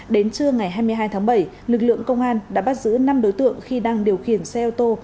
đến trưa ngày hai mươi hai tháng bảy lực lượng công an đã bắt giữ năm đối tượng khi đang điều khiển xe ô tô